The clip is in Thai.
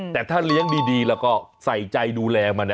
แต่ถ้าเลี้ยงดีแล้วก็ใส่ใจดูแลมัน